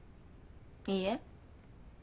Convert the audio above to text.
いいえ。